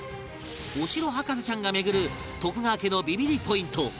お城博士ちゃんが巡る徳川家のビビりポイント